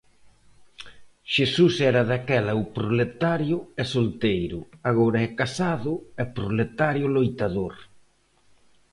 Xesús era daquela o proletario e solteiro, agora é casado e proletario loitador.